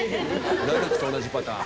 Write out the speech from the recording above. ラルクと同じパターン。